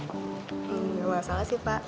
gak masalah sih pak